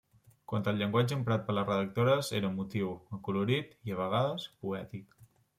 Quant al llenguatge emprat per les redactores era emotiu, acolorit i, a vegades, poètic.